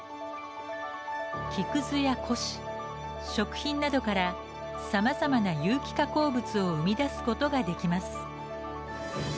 木くずや古紙食品などからさまざまな有機加工物を生み出すことができます。